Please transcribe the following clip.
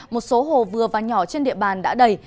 một số hồ vừa và nhỏ trên địa bàn đã đầy